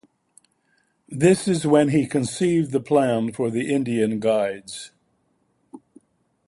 This is when he conceived the plan for the Indian Guides.